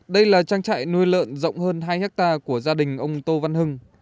đây là trang trại nuôi lợn rộng hơn hai hectare của gia đình ông tô văn hưng